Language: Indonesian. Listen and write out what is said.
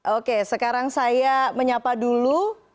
oke sekarang saya menyapa dulu